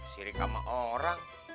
sirik sama orang